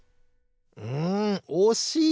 んおしい！